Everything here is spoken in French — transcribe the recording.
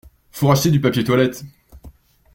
Faut racheter du papier toilette.